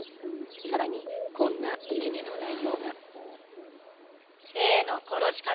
さらにこんないじめの内容が。